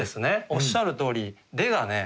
おっしゃるとおり「で」がね